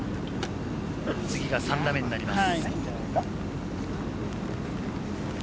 次が３打目になります。